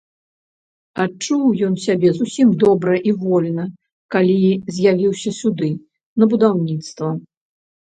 Адчуў ён сябе зусім добра і вольна, калі з'явіўся сюды, на будаўніцтва.